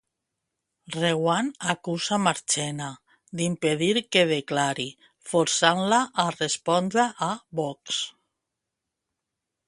Reguant acusa Marchena d'impedir que declari forçant-la a respondre a Vox.